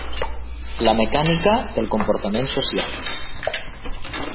La mecànica del comportament social.